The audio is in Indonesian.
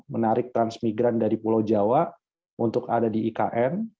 menarik transmigran dari pulau jawa untuk ada di ikn